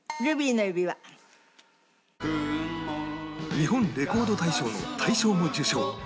日本レコード大賞の大賞も受賞